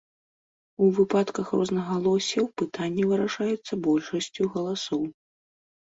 У выпадках рознагалоссяў пытанне вырашаецца большасцю галасоў.